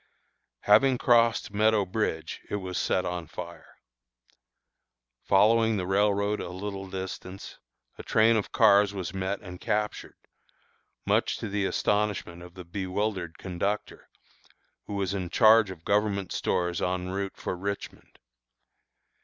Having crossed Meadow Bridge, it was set on fire. Following the railroad a little distance, a train of cars was met and captured, much to the astonishment of the bewildered conductor, who was in charge of government stores en route for Richmond.